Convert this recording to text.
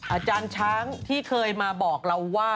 อาจารย์ช้างที่เคยมาบอกเราว่า